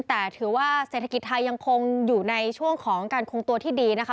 แต่ถือว่าเศรษฐกิจไทยยังคงอยู่ในช่วงของการคงตัวที่ดีนะคะ